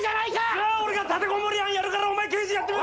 じゃあ俺が立てこもり犯やるからお前刑事やってみろ！